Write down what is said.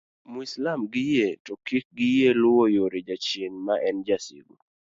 mwislam gi yie to kik giyie luwo yore jachien maen jasigu